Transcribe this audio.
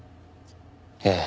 ええ。